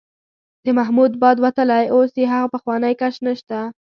د محمود باد وتلی، اوس یې هغه پخوانی کش نشته.